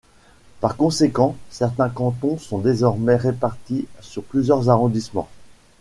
Par conséquent certains cantons sont désormais répartis sur plusieurs arrondissements.